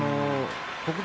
北勝